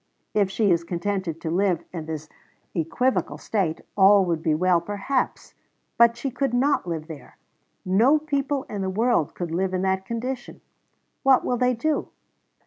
If she is contented to live in this equivocal state, all would be well perhaps; but she could not live there. No people in the world could live in that condition. What will they do?